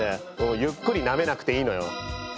ゆっくりなめなくていいのよ。